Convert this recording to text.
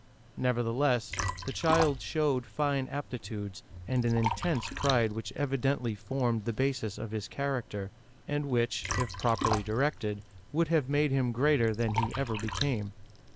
Nevertheless, the child showed fine ap titudes, and an intense pride which evidently formed the basis of his character, and which, if properly directed, would have mad^ him greater than he ever became.